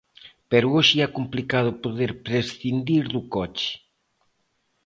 Pero hoxe é complicado poder prescindir do coche.